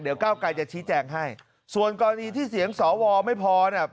เดี๋ยวก้าวไกรจะชี้แจงให้ส่วนกรณีที่เสียงสวไม่พอเนี่ย